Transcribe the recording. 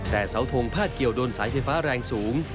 แต่เสาทงพาดเกี่ยวโดนสายไฟฟ้าแรงสูง